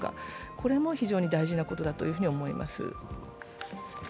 これも非常に大事なことだと思います。